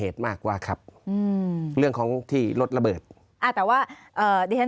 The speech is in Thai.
แต่ว่าดิเทินตร์ไฟล่องตั้งคำถาม